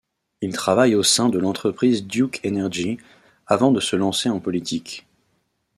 Il travaille au sein de l'entreprise Duke Energy avant de se lancer en politique.